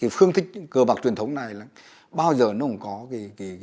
phương thích cờ bạc truyền thống này là bao giờ nó không có các đối tượng